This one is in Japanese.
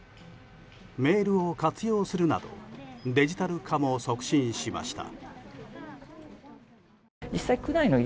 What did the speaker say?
メールを活用するなどデジタル化も促進しました。